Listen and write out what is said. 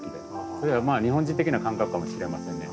それは日本人的な感覚かもしれませんね。